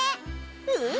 うん！